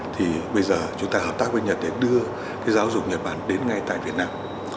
thì bây giờ chúng ta hợp tác với nhật để đưa giáo dục nhật bản đến ngay tại việt nam